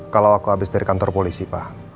kalau aku habis dari kantor polisi pak